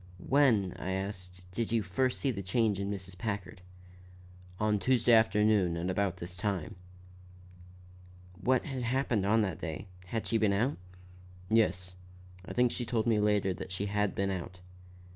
"When," I asked, "did you first see the change in Mrs. Packard?" "On Tuesday afternoon at about this time." "What had happened on that day? Had she been out?" "Yes, I think she told me later that she had been out."